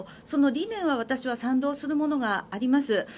その理念は私は賛同するものがあります。